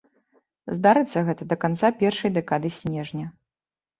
Здарыцца гэта да канца першай дэкады снежня.